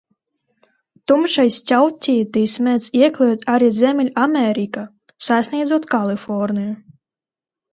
Tumšais ķauķītis mēdz ieklejot arī Ziemeļamerikā, sasniedzot Kaliforniju.